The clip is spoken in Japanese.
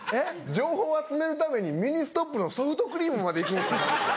情報を集めるためにミニストップのソフトクリームまで行くんですね。